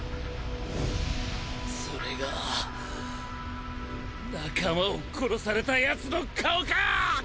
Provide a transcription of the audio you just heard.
それが仲間を殺された奴の顔か！？